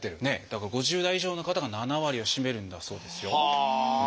だから５０代以上の方が７割を占めるんだそうですよ。